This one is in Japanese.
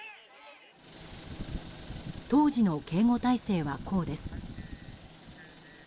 当時の警護態勢はこうです。